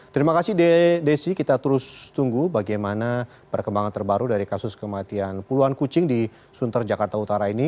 terima kasih desi kita terus tunggu bagaimana perkembangan terbaru dari kasus kematian puluhan kucing di sunter jakarta utara ini